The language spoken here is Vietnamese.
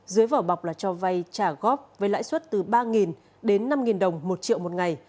dưới vỏ bọc là cho vay trả góp với lãi suất từ ba đến năm đồng một triệu một ngày